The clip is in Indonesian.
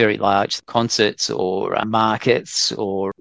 atau konser yang sangat besar